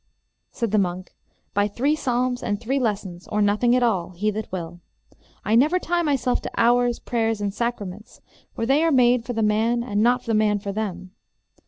said the monk, by three psalms and three lessons, or nothing at all, he that will. I never tie myself to hours, prayers, and sacraments; for they are made for the man and not the man for them.